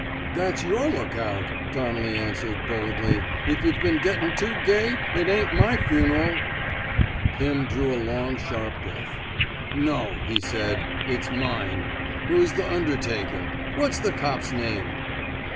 That's your lookout," Donnelly an swered, boldly. If yuh've been gettin' too gay, it ain't my fun'ral." Pim drew a long, sharp breath. No," he said. ^^ It 's mine. Who 's th ' undertaker ? What's the cop's name?